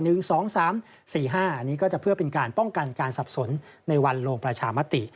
อันนี้ก็จะเพื่อเป็นการป้องกันการสับสนในวันลงประชามติ